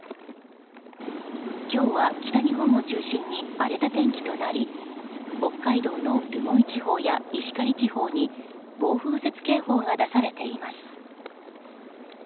今日は北日本を中心に荒れた天気となり北海道の留萌地方や石狩地方に暴風雪警報が出されています。